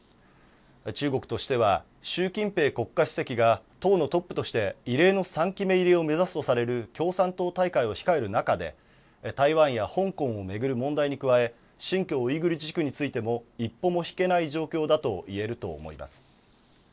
中国としては習近平国家主席が党のトップとして異例の３期目入りを目指すとされる共産党大会を控える中で台湾や香港を巡る問題に加え新疆ウイグル自治区についても一歩も引けない状況だといえると思います。